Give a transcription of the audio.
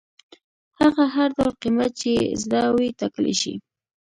هغه هر ډول قیمت چې یې زړه وي ټاکلی شي.